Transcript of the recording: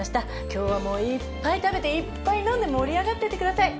今日はもういっぱい食べていっぱい飲んで盛り上がってってください。